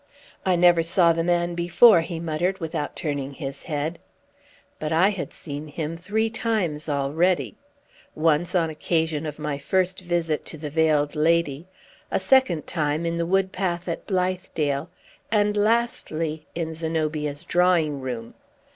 "I never saw the man before," he muttered, without turning his head. But I had seen him three times already. Once, on occasion of my first visit to the Veiled Lady; a second time, in the wood path at Blithedale; and lastly, in Zenobia's drawing room.